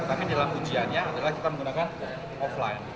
tetapi dalam ujiannya adalah kita menggunakan offline